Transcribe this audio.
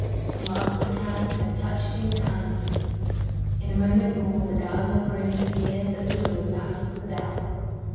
The Master's hand had touched him kindly! In a moment more, the gardener groom appears at the door to answer the bell.